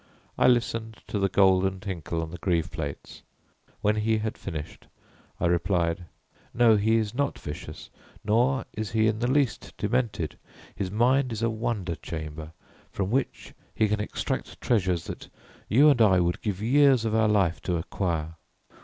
I listened to the golden tinkle on the greave plates; when he had finished I replied: "No, he is not vicious, nor is he in the least demented. His mind is a wonder chamber, from which he can extract treasures that you and I would give years of our life to acquire."'